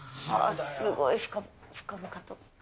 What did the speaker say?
すごい深々と。